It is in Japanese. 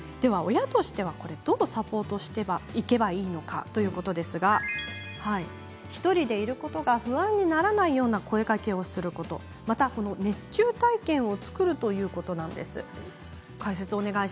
親からすれば、どうすればどうサポートすればいいのかということですが１人でいることが不安にならないような声かけをすることまた熱中体験を作るということなんです。